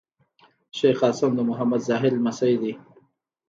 شېخ قاسم د محمد زاهد لمسی دﺉ.